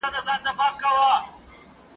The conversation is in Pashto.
کوه نور غوندي ځلېږي یو غمی پکښي پیدا کړي ..